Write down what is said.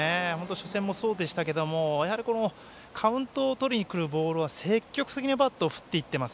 初戦もそうでしたけれどもカウントを取りにくるボールに積極的にバットを振ってきています。